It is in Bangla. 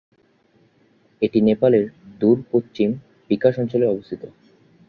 এটি নেপালের দূর-পশ্চিম বিকাশ অঞ্চলে অবস্থিত।